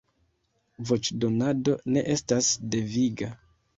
Voĉdonado ne estas deviga.